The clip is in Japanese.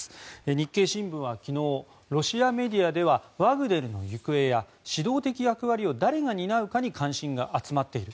日経新聞は昨日ロシアメディアではワグネルの行方や指導的役割を誰が担うかに関心が集まっている。